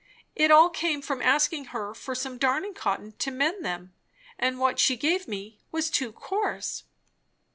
It all came from asking her for some darning cotton to mend them; and what she gave me was too coarse."